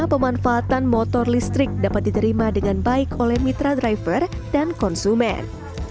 pemanfaatan motor listrik dapat diterima dengan baik oleh mitra driver dan konsumen